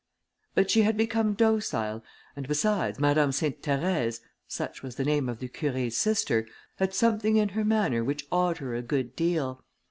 But she had become docile; and, besides, Madame Sainte Therèse, such was the name of the Curé's sister, had something in her manner which awed her a good deal.